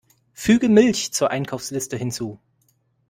Füge Milch zur Einkaufsliste hinzu!